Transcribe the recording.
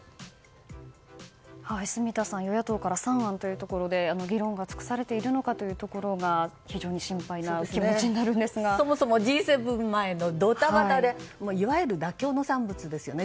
住田さん、与野党から３案というところで議論が尽くされているのかが非常に心配な気持ちにそもそもＧ７前のドタバタでいわゆる妥協の産物ですよね